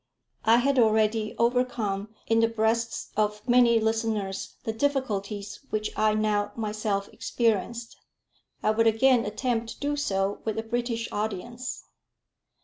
I had already overcome in the breasts of many listeners the difficulties which I now myself experienced. I would again attempt to do so with a British audience.